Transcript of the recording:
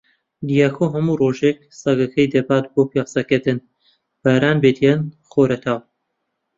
دیاکۆ هەموو ڕۆژێک سەگەکەی دەبات بۆ پیاسەکردن، باران بێت یان خۆرەتاو.